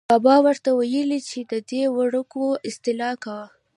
بابا ور ته ویلې چې ددې وړکو اصلاح کوه.